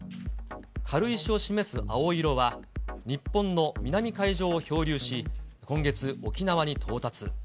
軽石を示す青色は、日本の南海上を漂流し、今月、沖縄に到達。